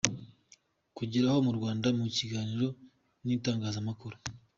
kugeraho mu Rwanda mu kiganiro n’itangazamakuru.